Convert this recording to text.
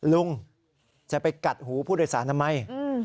ลุงจะไปกัดหูผู้โดยสารทำไม